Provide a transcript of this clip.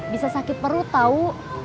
bisa sakit perut tau